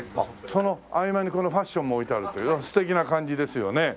その合間にファッションも置いてあるという素敵な感じですよね。